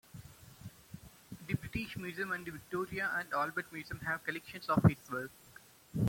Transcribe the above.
The British Museum and the Victoria and Albert Museum have collections of his work.